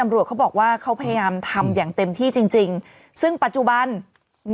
หรือว่าแม่จะได้เอาคอนเทนต์ลง